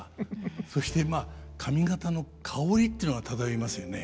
そしてまあ上方の薫りっていうのが漂いますよね。